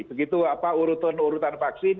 begitu urutan urutan vaksin